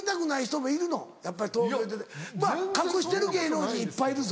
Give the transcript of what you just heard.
隠してる芸能人いっぱいいるぞ。